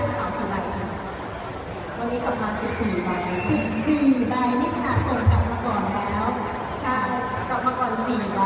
ต่อหลังนะคะบอกว่านอนที่อยู่สนามนี้มีส่วนบัญชาในรอบของฮาตินใช่ไหมคะ